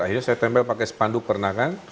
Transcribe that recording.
akhirnya saya tempel pakai sepanduk pernah kan